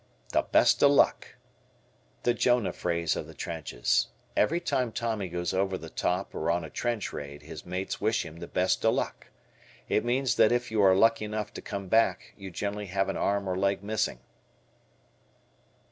"The Best o' Luck." The Jonah phrase of the trenches. Every time Tommy goes over the top or on a trench raid his mates wish him the best o' luck. It means that if you are lucky enough to come back, you generally have an arm or leg missing.